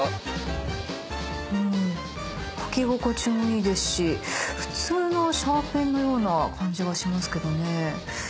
書き心地もいいですし普通のシャーペンのような感じがしますけどね。